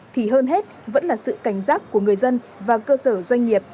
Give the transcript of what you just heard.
thì hơn hết vẫn là sự cảnh giác của người dân và cơ sở doanh nghiệp